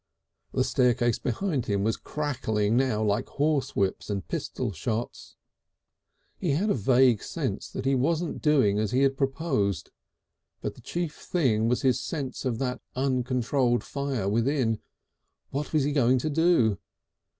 The staircase behind him was crackling now like horsewhips and pistol shots. He had a vague sense that he wasn't doing as he had proposed, but the chief thing was his sense of that uncontrolled fire within. What was he going to do?